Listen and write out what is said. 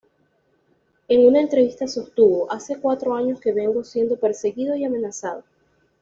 En una entrevista sostuvo: ""hace cuatro años que vengo siendo perseguido y amenazado.